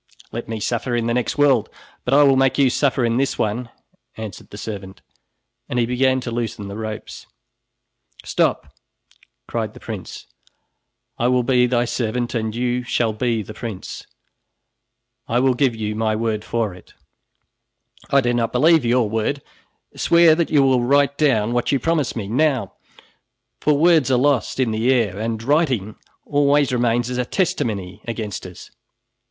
"Let me suffer in the next world, but I will make you suffer in this one," answered the servant and he began to loosen the ropes. "Stop!" cried the prince, "I will be thy servant and you shall be the prince. I will give you my word for it." "I do not believe your word. Swear that you will write down what you promise me, now, for words are lost in the air, and writing always remains as a testimony against us."